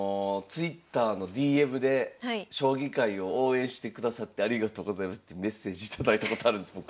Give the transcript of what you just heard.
ＴｗｉｔｔｅｒのＤＭで「将棋界を応援してくださってありがとうございます」ってメッセージ頂いたことあるんです僕。